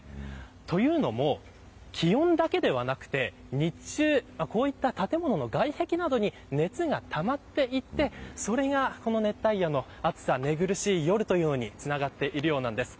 というのも気温だけではなくて日中、こういった建物の外壁などに熱がたまっていってそれがこの熱帯夜の暑さ寝苦しい夜というのにつながっているようなんです。